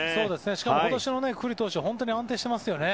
しかも、今年の九里投手は安定していますよね。